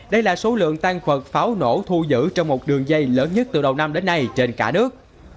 đây là số lượng tàn vật pháo nổ thu giữ trong một đường dây lớn nhất từ đầu năm đến nay trên cả nước